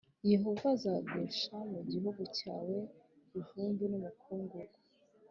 yehova azagusha mu gihugu cyawe ivumbi n’umukungugu